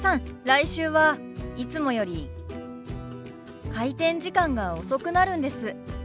来週はいつもより開店時間が遅くなるんです。